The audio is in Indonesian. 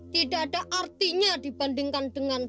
tidak ada artinya dibandingkan dengan